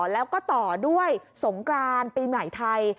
แล้วก็ต่อด้วยสงกรานปีใหม่ไทย